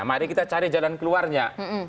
mari kita cari jalan keluarnya